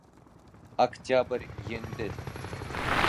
Октябрь еңде.